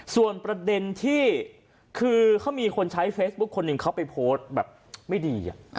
ส่วนประเด็นที่คือเขามีคนใช้เฟซบุ๊คคนหนึ่งเขาไปโพสต์แบบไม่ดี